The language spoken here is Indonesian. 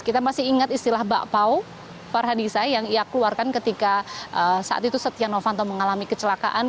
kita masih ingat istilah bakpao farhanisa yang ia keluarkan ketika saat itu setia novanto mengalami kecelakaan